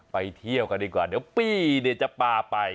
ไปเที่ยวกันดีกว่าเดี๋ยวปี้เนี่ยจะพาไป